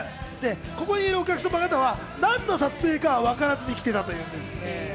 ここにいるお客さんは何の撮影かは分からずに来ていたというんですね。